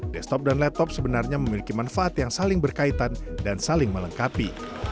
desktop dan laptop sebenarnya memiliki manfaat yang saling berkaitan dan saling melengkapi